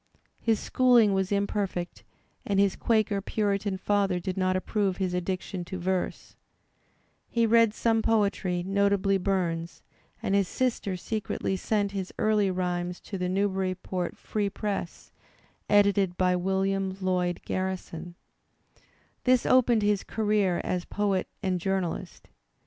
His schooling was imperfect and his Quaker Puritan father did not approve his addiction to verse. He read some poetry, notably Bums, and his sister secretly sent his early rhymes to the Newbury* Digitized by Google 122 THE SPIRIT OF AMERICAN LITERATURE port Free Presa^ edited by William Uoyd Garrison. This opened his career as poet and journalist.